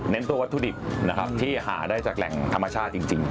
ตัววัตถุดิบนะครับที่หาได้จากแหล่งธรรมชาติจริง